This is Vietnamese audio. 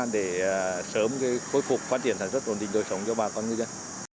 để sớm khôi phục phát triển sản xuất ổn định đôi sống cho bà con như thế